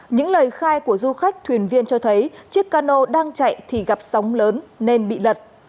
những lời khai của du khách thuyền viên cho thấy chiếc cano đang chạy thì gặp sóng lớn nên bị lật